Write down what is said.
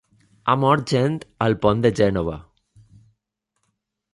Ha mort gent al Pont de Gènova